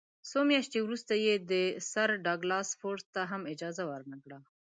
څو میاشتې وروسته یې سر ډاګلاس فورسیت ته هم اجازه ورنه کړه.